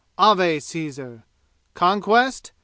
Ave, Caesar! Conquest?